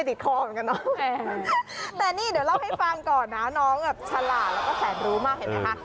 เดี๋ยวเล่าให้ฟังก่อนน้องฉลาดแล้วก็แผนรู้มากเห็นไหมคะ